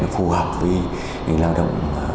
phù hợp với lao động